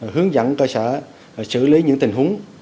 hướng dẫn cơ sở xử lý những tình huống